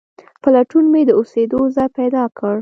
په لټون مې د اوسېدو ځای پیدا کړ.